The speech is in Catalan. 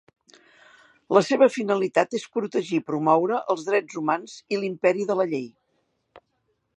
La seva finalitat és protegir i promoure els drets humans i l'imperi de la llei.